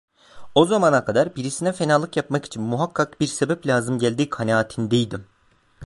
O zamana kadar birisine fenalık yapmak için muhakkak bir sebep lazım geldiği kanaatindeydim.